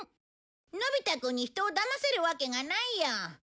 のび太くんに人をだませるわけがないよ。